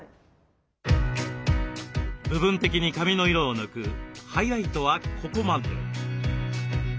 部分的に髪の色を抜くハイライトはここまで。